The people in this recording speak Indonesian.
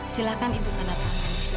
silahkan ibu kenakan